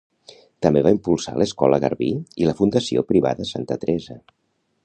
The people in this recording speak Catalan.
També va impulsar l'Escola Garbí i la Fundació Privada Santa Teresa.